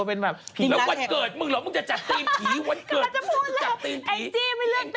แอ้งจี้ไม่เลือกตีให้มันสวยหน่อย